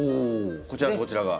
こちらとこちらが。